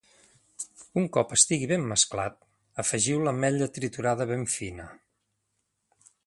Un cop estigui ben mesclat, afegiu l'ametlla triturada ben fina.